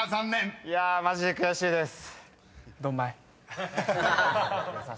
いやマジで悔しいです。